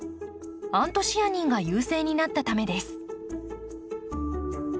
アントシアニンが優勢になったためです。